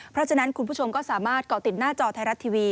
เพราะฉะนั้นคุณผู้ชมก็สามารถเกาะติดหน้าจอไทยรัฐทีวี